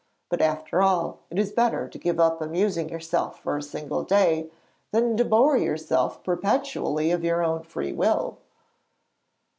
But after all, it is better to give up amusing yourself for a single day than to bore yourself perpetually of your own freewill.'